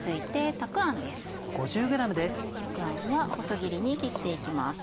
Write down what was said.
たくあんは細切りに切っていきます。